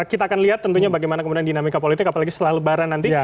kita akan lihat tentunya bagaimana kemudian dinamika politik apalagi setelah lebaran nanti